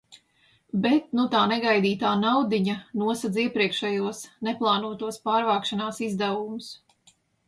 Bet nu tā negaidītā naudiņa nosedz iepriekšējos neplānotos pārvākšanās izdevumus.